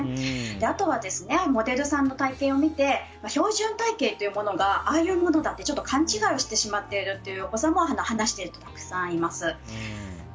あとはモデルさんの体形を見て標準体形というものがああいうものだって勘違いをしてしまっているというお子さんも話しているとたくさんいます。